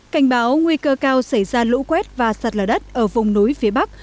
cảnh báo nguy cơ cao xảy ra lũ quét và sạt lở đất ở vùng núi phía bắc